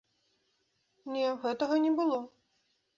Не, гэтага не было.